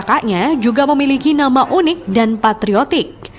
dan kakaknya juga memiliki nama unik dan patriotik